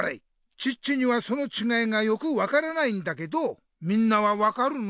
チッチにはそのちがいがよく分からないんだけどみんなは分かるの？